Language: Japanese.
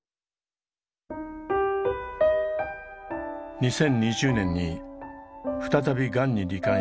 ２０２０年に再びがんにり患した坂本さん。